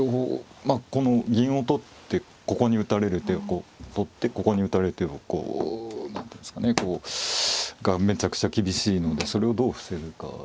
まあこの銀を取ってここに打たれる手こう取ってここに打たれる手をこう何ていうんですかね。がめちゃくちゃ厳しいのでそれをどう防ぐかですけど。